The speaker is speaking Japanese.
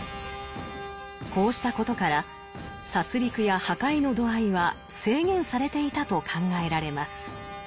こうしたことから殺りくや破壊の度合いは制限されていたと考えられます。